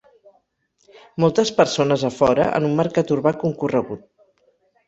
Moltes persones a fora en un mercat urbà concorregut